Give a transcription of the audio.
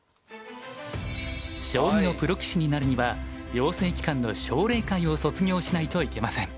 将棋のプロ棋士になるには養成機関の奨励会を卒業しないといけません。